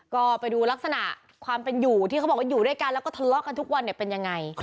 ก็ไปดูลักษณะความเป็นอยู่ที่เขาบอกว่าอยู่ด้วยกันแล้วก็ทะเลาะกันทุกวันเนี่ยเป็นยังไง